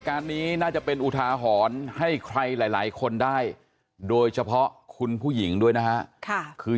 การนี้น่าจะเป็นอุทาหรณ์ให้ใครหลายคนได้โดยเฉพาะคุณผู้หญิงด้วยนะฮะคือ